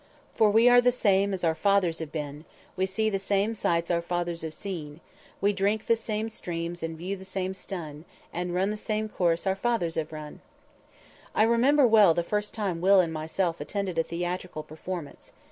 _"For we are the same our fathers have been, We see the same sights our fathers have seen, We drink the same streams and view the same sun, And run the same course our fathers have run!"_ I remember well the first time Will and myself attended a theatrical performance.